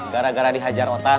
gara gara dihajar otang